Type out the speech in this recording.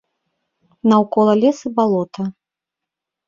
Наўкола лес і балота.